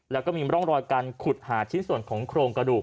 แล้วก็มีร่องรอยการขุดหาชิ้นส่วนของโครงกระดูก